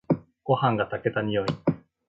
ごはんが炊けた匂い。